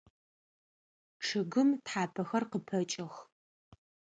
Чъыгым тхьапэхэр къыпэкӏэх.